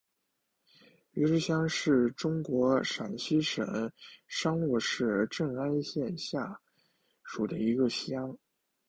余师乡是中国陕西省商洛市镇安县下辖的一个乡。